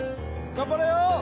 頑張れよ！